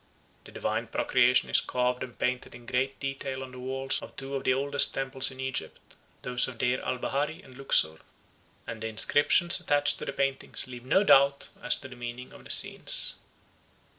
The divine procreation is carved and painted in great detail on the walls of two of the oldest temples in Egypt, those of Deir el Bahari and Luxor; and the inscriptions attached to the paintings leave no doubt as to the meaning of the scenes.